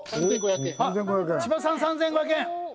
千葉さん３５００円。